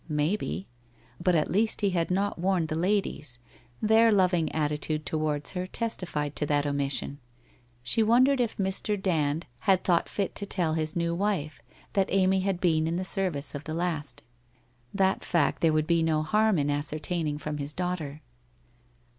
Maybe? But at least he had not warned the ladies; their loving attitude towards her testified to that omission. She wondered if Mr. Dand had thought fit to tell his new wife that Amy had been in the service of the last? That fact there would be no harm in aecertaining from his daughter.